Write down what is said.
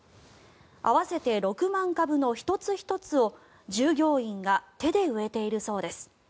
合わせて６万株の１つ１つを従業員が手で植えているそうです。